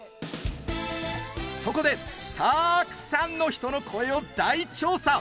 そこでたくさんの人の声を大調査。